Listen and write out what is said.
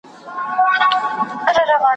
او په دواړو یې له مځکي را ویشتل وه ,